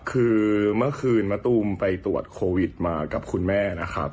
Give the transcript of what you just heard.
คือเมื่อคืนมะตูมไปตรวจโควิดมากับคุณแม่นะครับ